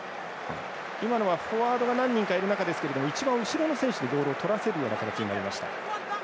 フォワードが何人かいる中で一番後ろの選手にボールを取らせるような形になりました。